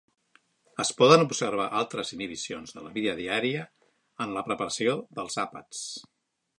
Es poden observar altres inhibicions de la vida diària en la preparació dels àpats.